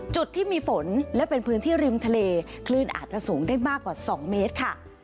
จุดที่มีฝนและเป็นพื้นที่ริมทะเลคลื่นอาจจะสูงได้มากกว่า๒เมตรค่ะ